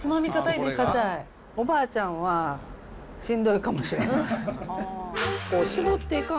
おばあちゃんはしんどいかもしれん。